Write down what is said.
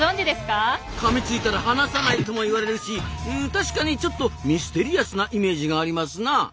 「かみついたら離さない」とも言われるし確かにちょっとミステリアスなイメージがありますな。